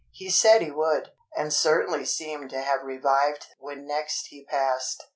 He said he would, and certainly seemed to have revived when next he passed.